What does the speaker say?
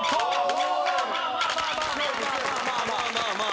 まあまあまあまあ。